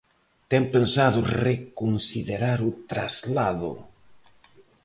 ¿Ten pensado reconsiderar o traslado?